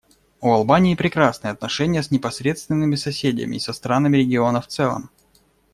У Албании прекрасные отношения с непосредственными соседями и со странами региона в целом.